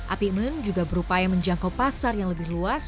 apikmen juga berupaya menjangkau pasar yang lebih luas